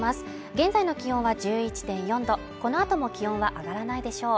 現在の気温は１１．４℃、このあとも気温は上がらないでしょう。